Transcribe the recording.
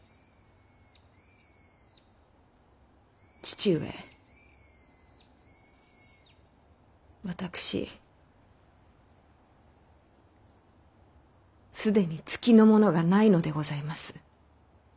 父上私既に月のものがないのでございます。